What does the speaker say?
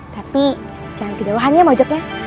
tapi jangan tidak wahan ya mojoknya